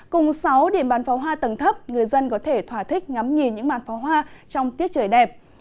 cùng sáu điểm bán pháo hoa tầng thấp người dân có thể thỏa thích ngắm nhìn những bàn pháo hoa trong tiết trời đẹp